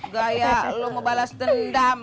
gaya lo mau balas dendam